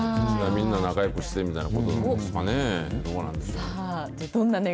みんな、仲よくしてみたいなことなんですかね。